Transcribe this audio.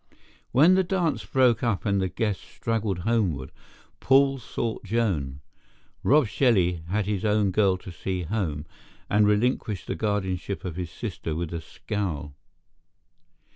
When the dance broke up and the guests straggled homeward, Paul sought Joan. Rob Shelley had his own girl to see home and relinquished the guardianship of his sister with a scowl.